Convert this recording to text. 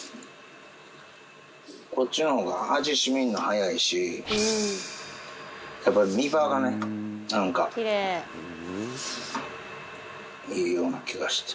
こっちの方が味染みるの早いしやっぱり見栄えがねなんかいいような気がして。